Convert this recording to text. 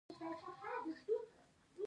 دا ښه ده چې ګران طيب الله خان پرې په اردو